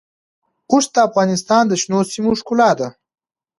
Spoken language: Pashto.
اوښ د افغانستان د شنو سیمو ښکلا ده.